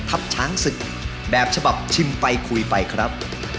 ทัพช้างศึกแบบฉมไปคุยไปครับ